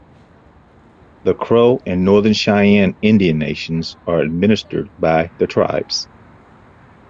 The Crow and Northern Cheyenne Indian Nations are administered by the tribes.